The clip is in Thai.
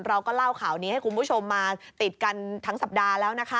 เราก็เล่าข่าวนี้ให้คุณผู้ชมมาติดกันทั้งสัปดาห์แล้วนะคะ